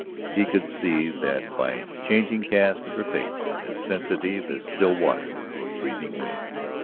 He could see that by the changing cast of her face, as sensitive as still water to a breathing wind.